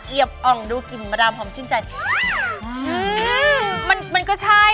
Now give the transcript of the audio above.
เอียบอ่องดูกินมาดามหอมชื่นใจ